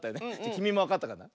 きみもわかったかな？